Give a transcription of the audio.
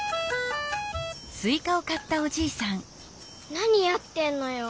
何やってんのよ。